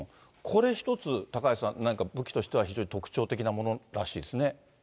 これ一つ、高橋さん、何か武器としては特徴的なものらしいですね。